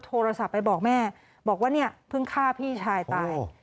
โทรศัพท์ไปบอกแม่บอกว่าเนี่ยเพิ่งฆ่าพี่ชายตาย